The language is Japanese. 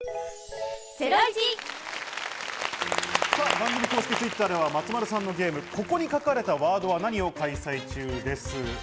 番組公式Ｔｗｉｔｔｅｒでは松丸さんのゲーム、「ここに書かれたワードは何？」を開催中です。